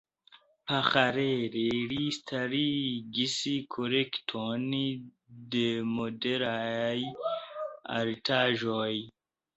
Paralele li startigis kolekton de modernaj artaĵoj.